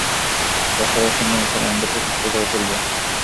দশ হাজার সৈন্য মুসলমানদেরকে পিষ্ট করে ফেলবে।